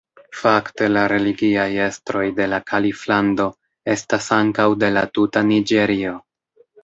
Fakte la religiaj estroj de la kaliflando estas ankaŭ de la tuta Niĝerio.